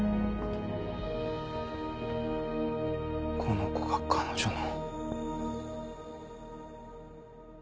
この子が彼女の。